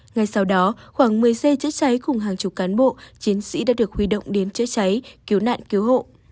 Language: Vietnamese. ngay sau đó khoảng một mươi xe chữa cháy cùng hàng chục cán bộ chiến sĩ đã được huy động đến chữa cháy cứu nạn cứu hộ